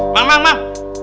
mam mam mam